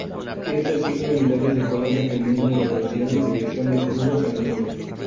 Este asigna unidades de color, dependiendo de la velocidad y dirección del flujo sanguíneo.